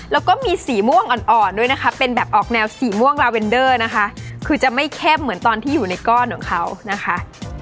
แล้วก็มีสีม่วงอ่อนด้วยนะคะเป็นแบบออกแนวสีม่วงลาเวนเดอร์นะคะคือจะไม่เข้มเหมือนตอนที่อยู่ในก้อนของเขานะคะ